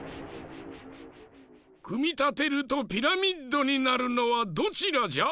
くみたてるとピラミッドになるのはどちらじゃ？